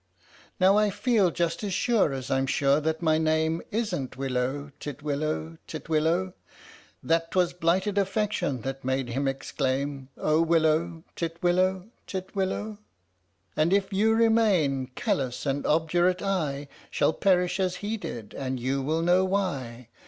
Now I feel just as sure as I'm sure that my name Isn't willow, titwillow, titwillow, That 'twas blighted affection that made him exclaim " Oh willow, titwillow, titwillow! " And if you remain callous and obdurate, I Shall perish as he did and you will know why.